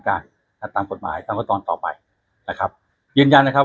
ครับครับแล้วจะระยะเวลาในการตอบส่วนนี้นานไหมครับ